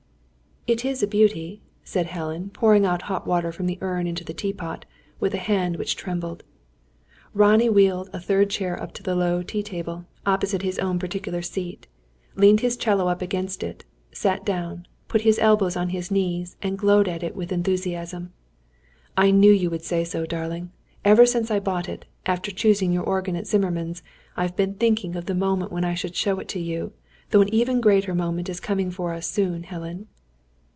"It is a beauty," said Helen, pouring hot water from the urn into the teapot, with a hand which trembled. Ronnie wheeled a third chair up to the low tea table, opposite his own particular seat, leaned his 'cello up against it, sat down, put his elbows on his knees, and glowed at it with enthusiasm. "I knew you would say so, darling. Ever since I bought it, after choosing your organ at Zimmermann's, I have been thinking of the moment when I should show it to you; though an even greater moment is coming for us soon, Helen."